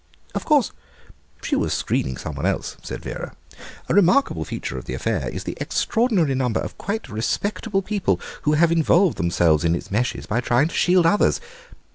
"Of course she was screening some one else," said Vera. "A remarkable feature of the affair is the extraordinary number of quite respectable people who have involved themselves in its meshes by trying to shield others.